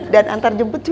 dan antar jemput cucu